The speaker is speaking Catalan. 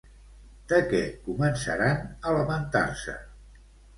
De què començaran a lamentar-se?